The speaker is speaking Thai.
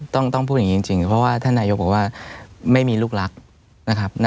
ต้องพูดอย่างนี้จริงเพราะว่าท่านนายกบอกว่าไม่มีลูกรักนะครับ